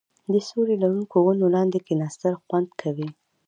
د سیوري لرونکو ونو لاندې کیناستل خوند کوي.